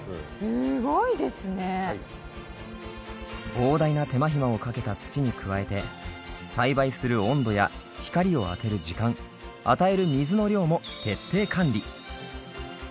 膨大な手間ひまをかけた土に加えて栽培する温度や光を当てる時間与える水の量も徹底管理。